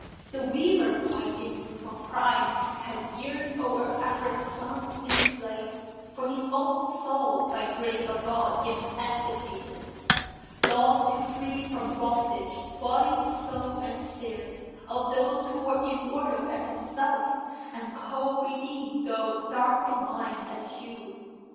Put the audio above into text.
The "weaver boy," in youthful prime, had yearned O'er Afric's sons enslaved; for his own soul, By "grace of God" emancipated, longed To free from bondage "body, soul, and spirit" Of those who were immortal as himself, And co redeemed, though dark in mind as hue.